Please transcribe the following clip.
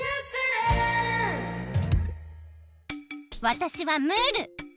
わたしはムール。